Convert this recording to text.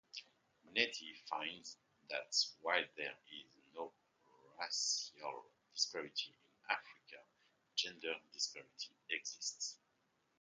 Nettie finds that while there is not racial disparity in Africa, gender disparity exists.